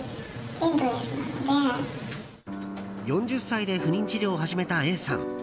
４０歳で不妊治療を始めたＡさん。